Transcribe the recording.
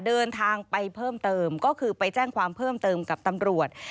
เดินทางไปเพิ่มเติมก็คือไปแจ้งความเพิ่มเติมกับตำรวจ